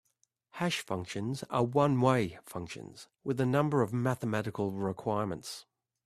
Hash functions are one-way functions with a number of mathematical requirements.